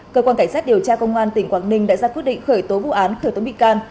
cơ quan cảnh sát điều tra công an tỉnh quảng ninh đã ra quyết định khởi tố vụ án khởi tố bị can